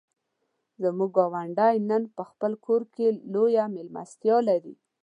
زموږ ګاونډی نن په خپل کور کې لویه مېلمستیا لري.